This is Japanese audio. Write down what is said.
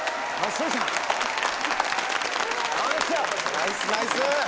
ナイスナイス！